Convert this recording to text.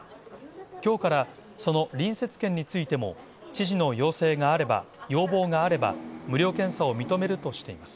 今日から、その隣接県についても知事の要望があれば無料検査を認めるとしています。